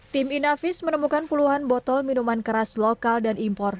tim inafis menemukan puluhan botol minuman keras lokal dan impor